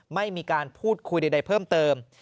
ไม่มีการพูดคุยใดเพิ่มเติม